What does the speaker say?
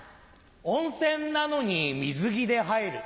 温泉なのに水着で入る。